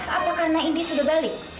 apa karena ini sudah balik